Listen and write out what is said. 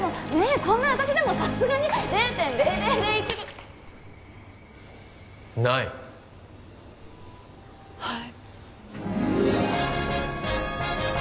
こんな私でもさすがに０．０００１ないはい